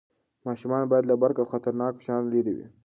ماشومان باید له برق او خطرناکو شیانو لرې وي.